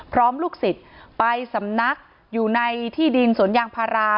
พร้อมลูกศิษย์ไปสำนักอยู่ในที่ดินสนอย่างพระรา